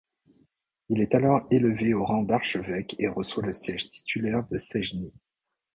Il est alors élevé au rang d’archevêque et reçoit le siège titulaire de Sejny.